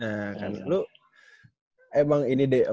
nah kan lu emang ini dede